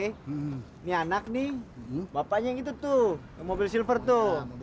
ini anak nih bapaknya yang itu tuh mobil silver tuh